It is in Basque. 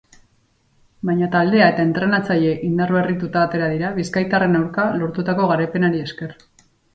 Baina taldea eta entrenatzaile indarberrituta atera dira bizkaitarren aurka lortutako garaipenari esker.